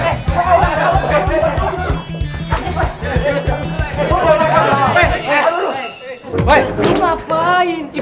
ini pasti kejahatan ardi nih